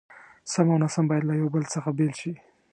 سم او ناسم بايد له يو بل څخه بېل شي.